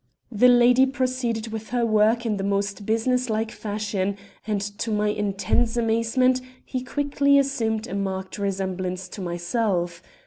"The lady proceeded with her work in the most business like fashion, and to my intense amazement he quickly assumed a marked resemblance to myself.